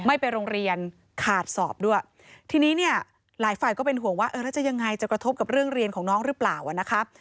ไม่ไปโรงเรียนขาดสอบด้วยทีนี้หลายฝ่ายก็เป็นห่วงว่าจะยังไงจะกระทบกับเรื่องเรียนของน้องหรือเปล่า